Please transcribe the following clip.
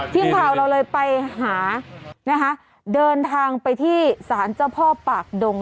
ทีมข่าวเราเลยไปหานะคะเดินทางไปที่ศาลเจ้าพ่อปากดง